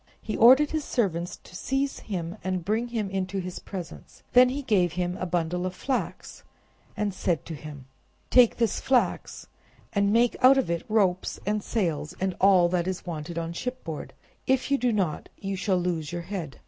He ordered his servants to seize him and bring him into his presence. Then he gave him a bundle of flax, and said to him— "Take this flax and make out of it ropes and sails and all that is wanted on shipboard; if you do not, you shall lose your head."